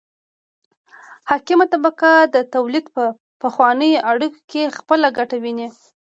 حاکمه طبقه د تولید په پخوانیو اړیکو کې خپله ګټه ویني.